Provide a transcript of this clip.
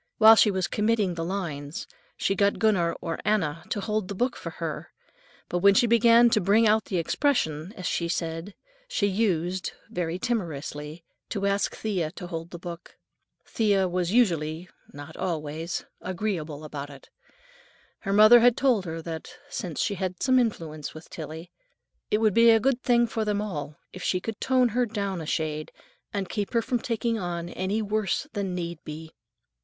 While she was committing the lines, she got Gunner or Anna to hold the book for her, but when she began "to bring out the expression," as she said, she used, very timorously, to ask Thea to hold the book. Thea was usually—not always—agreeable about it. Her mother had told her that, since she had some influence with Tillie, it would be a good thing for them all if she could tone her down a shade and "keep her from taking on any worse than need be."